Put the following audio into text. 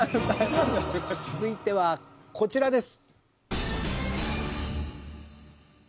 続いてはこちらです。